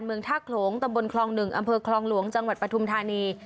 เมืองท่าโขลงตำบลคลอง๑อำเภอคลองหลวงจังหวัดปฐุมธานี